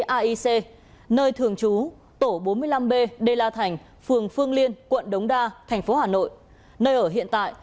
aic nơi thường trú tổ bốn mươi năm b đê la thành phường phương liên quận đống đa thành phố hà nội nơi ở hiện tại